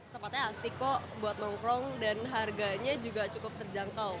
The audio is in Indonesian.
tempatnya asik kok buat nongkrong dan harganya juga cukup terjangkau